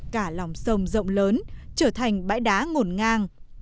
cả lòng sông rộng lớn trở thành bãi đá ngổn ngang